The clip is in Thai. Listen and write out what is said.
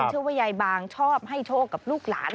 เชื่อว่ายายบางชอบให้โชคกับลูกหลาน